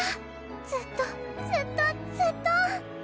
ずっとずっとずっと